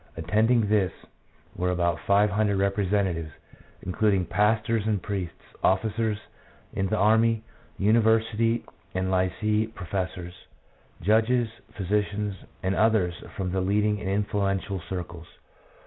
Attending this were about five hundred representatives, including pastors and priests, officers in the army, university and lycee professors, judges, physicians, and others from the leading and influential circles.